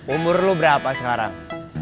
umur lo berapa sekarang